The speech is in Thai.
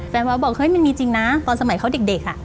แฟนวาบอกมันมีจริงนะตอนสมัยเขาเด็กอะ